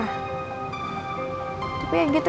tapi emang kayaknya nyarinya aja yang gak bener